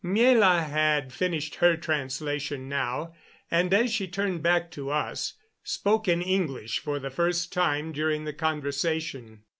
Miela had finished her translation now, and, as she turned back to us, spoke in English for the first time during the conversation.